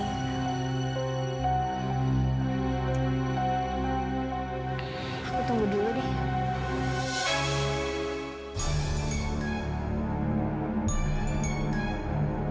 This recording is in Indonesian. aku tunggu dulu deh